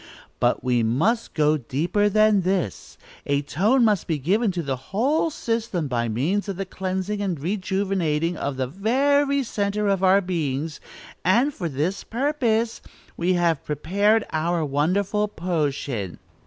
But we must go deeper than this; a tone must be given to the whole system by means of the cleansing and rejuvenating of the very centre of our beings, and, for this purpose, we have prepared our wonderful potion."